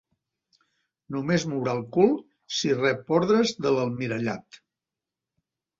Només mourà el cul si rep ordres de l'almirallat.